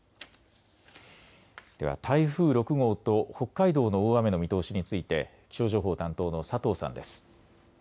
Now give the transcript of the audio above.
では台風６号と北海道の大雨の見通しについて気象情報担当の佐藤さんです。